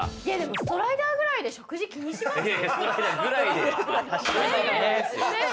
ストライダーくらいで食事、気にしますか？